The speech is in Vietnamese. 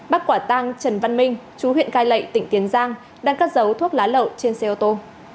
bác quả tăng trần văn minh chú huyện cai lệ tỉnh tiến giang đang cắt dấu thuốc lá lậu trên xe ô tô